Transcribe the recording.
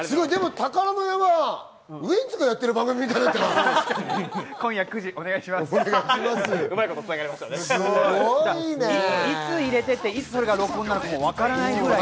『宝の山』、ウエンツがやってる番組みたいになってない？